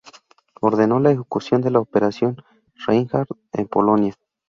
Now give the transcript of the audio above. Ordenó la ejecución de la "Operación Reinhard" en Polonia.